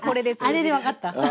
あれで分かった。